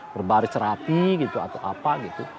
berbaris rapi gitu atau apa gitu